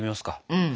うん。